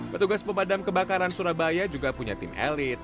petugas pemadam kebakaran surabaya juga punya tim elit